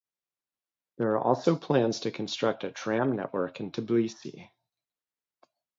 There are also plans to construct a tram network in Tbilisi.